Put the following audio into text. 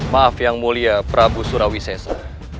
maaf yang mulia prabu surawi seso